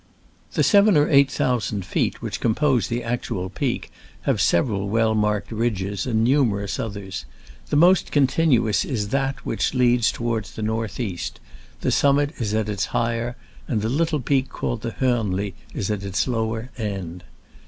The seven or eight thousand feet which compose the actual peak have several well marked ridges and numer ous others. The most continuous is that which leads toward the north east : the summit is at its higher, and the little peak called the Hornli is at its lower, end.